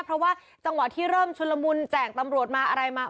เพราะว่าจังหวะที่เริ่มชุนละมุนแจกตำรวจมาอะไรมา